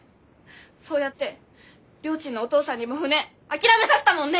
そうやってりょーちんのお父さんにも船諦めさせたもんね！